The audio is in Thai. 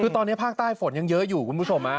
คือตอนนี้ภาคใต้ฝนยังเยอะอยู่คุณผู้ชม